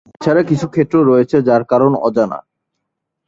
এছাড়া কিছু ক্ষেত্র রয়েছে যার কারণ অজানা।